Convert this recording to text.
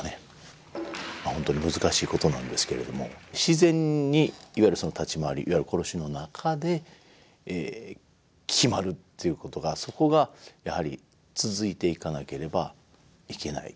まあ本当に難しいことなんですけれども自然にいわゆるその立ち回りいわゆる殺しの中で決まるっていうことがそこがやはり続いていかなければいけない。